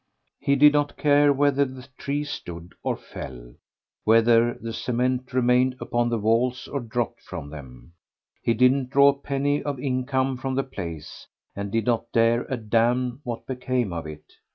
He did not care whether the trees stood or fell, whether the cement remained upon the walls or dropped from them; he didn't draw a penny of income from the place, and did not care a damn what became of it.